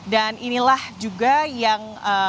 dan inilah juga yang